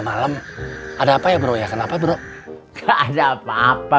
kalau besok saya akan berjalan dengan iola